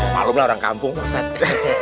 malumlah orang kampung ustadz